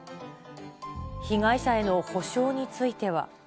被害者への補償については。